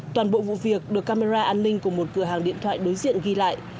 toàn bộ vụ việc được camera an ninh của một cửa hàng điện thoại đối diện ghi lại